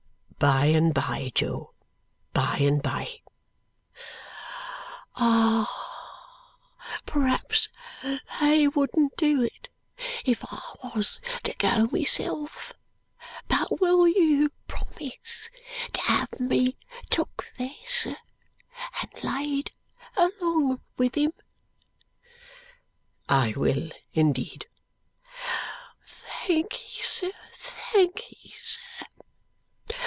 "By and by, Jo. By and by." "Ah! P'raps they wouldn't do it if I wos to go myself. But will you promise to have me took there, sir, and laid along with him?" "I will, indeed." "Thankee, sir. Thankee, sir.